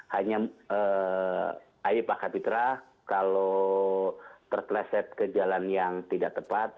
hanya ayo pak kapitra kalau terpleset ke jalan yang tidak tepat